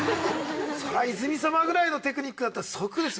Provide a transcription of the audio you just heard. そりゃ泉さまぐらいのテクニックだったら即ですよ。